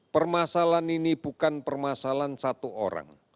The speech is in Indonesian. permasalahan ini bukan permasalahan satu orang